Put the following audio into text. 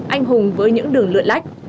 anh hùng với những đường lượn lách